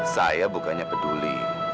saya bukannya peduli